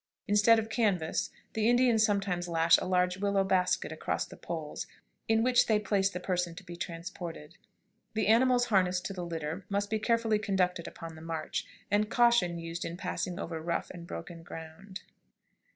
Instead of canvas, the Indians sometimes lash a large willow basket across the poles, in which they place the person to be transported. The animals harnessed to the litter must be carefully conducted upon the march, and caution used in passing over rough and broken ground.